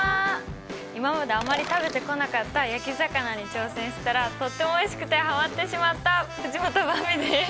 今まであまり食べてこなかった焼き魚に挑戦したらとってもおいしくてはまってしまった藤本ばんびです！